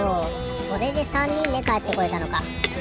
それで３にんでかえってこれたのか。